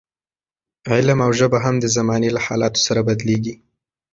علم او ژبه هم د زمانې له حالاتو سره بدلېږي.